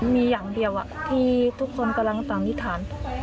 มีอย่างเดียวที่ทุกคนกำลังตามที่ถาม